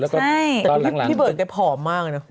ใช่แต่พี่เบิร์ดก็ผอมมากนะ